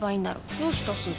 どうしたすず？